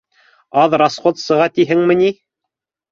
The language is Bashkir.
Аҙ расход сыға тиһеңме ни?